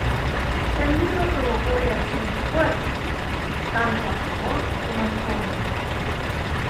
El libro provocó reacciones fuertes, tanto a favor como en contra.